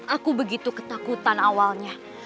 aku begitu ketakutan awalnya